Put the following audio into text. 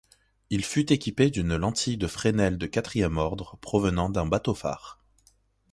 Il fut équipée d'une lentille de Fresnel de quatrième ordre provenant d'un bateau-phare.